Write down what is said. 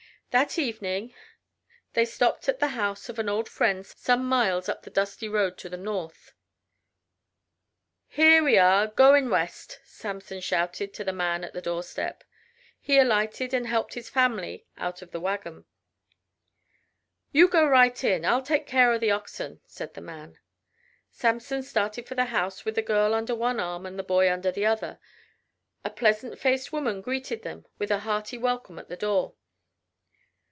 That evening they stopped at the house of an old friend some miles up the dusty road to the north. "Here we are goin' west," Samson shouted to the man at the doorstep. He alighted and helped his family out of the wagon. "You go right in I'll take care o' the oxen," said the man. Samson started for the house with the girl under one arm and the boy under the other. A pleasant faced woman greeted them with a hearty welcome at the door.